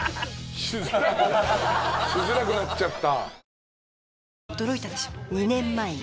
しづらいしづらくなっちゃった。